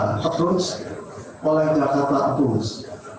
approach oleh jakarta approach